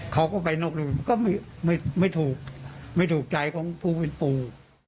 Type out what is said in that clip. เขาก็ไปนอกลืมก็ไม่ถูกไม่ถูกใจของผู้เป็นปู่